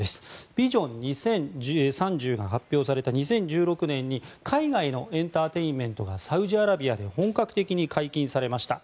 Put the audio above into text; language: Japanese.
ビジョン２０３０が発表された２０１６年に海外のエンターテインメントがサウジアラビアで本格的に解禁されました。